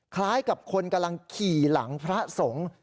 คล้ายกับคนกำลังขี่หลังพระสงฆ์